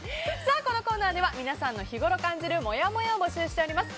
このコーナーでは皆さんの日ごろ感じるもやもやを募集しております。